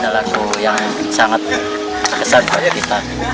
lagu yang sangat besar bagi kita